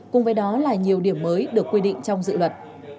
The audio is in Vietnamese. cùng với đó là nhiều điểm mới được quy định trong dự luật